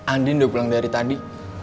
andin udah pulang dari tadi